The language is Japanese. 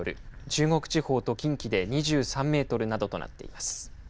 中国地方と近畿で２３メートルなどとなっています。